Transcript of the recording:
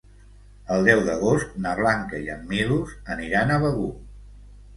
El deu d'agost na Blanca i en Milos aniran a Begur.